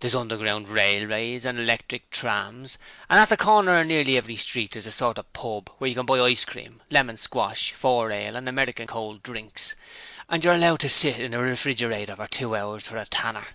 There's underground railways and 'lectric trams, and at the corner of nearly every street there's a sort of pub where you can buy ice cream, lemon squash, four ale, and American cold drinks; and you're allowed to sit in a refrigerator for two hours for a tanner.'